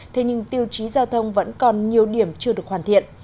thế nhưng tiêu chí giao thông vẫn còn nhiều điểm chưa được hoàn thiện